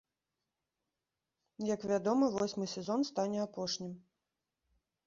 Як вядома, восьмы сезон стане апошнім.